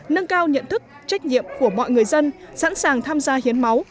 nâng cao nhận thức trách nhiệm của mọi người dân sẵn sàng tham gia hiến máu